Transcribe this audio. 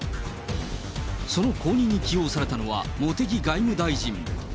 その後任に起用されたのは、茂木外務大臣。